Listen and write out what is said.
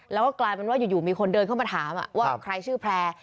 แล้วก็กลายเป็นว่าอยู่มีคนเดินเข้ามาถามว่าใครชื่อแพร่